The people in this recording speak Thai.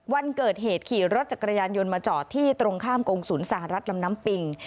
วันเกิดเหตุขี่รถจักรยานยนต์มาจอดที่ตรงข้ามกงศูนย์สหรัฐลำน้ำปิง